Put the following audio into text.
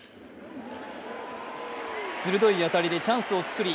鋭い当たりでチャンスを作り